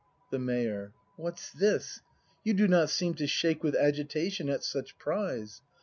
The Mayor. What's this? You do not seem to shake With agitation at such prize?